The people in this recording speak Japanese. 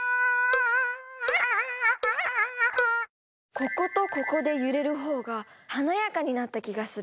こことここで揺れるほうが華やかになった気がする。